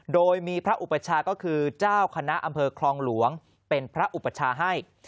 โดยมีพระอุปชาก็คือเจ้าคณะอำเภอคลองหลวงเป็นพระอุปชาให้